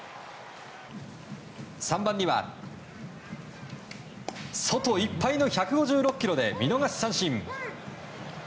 ３番には、外いっぱいの１５６キロで見逃し三振。